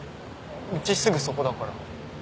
うちすぐそこだから。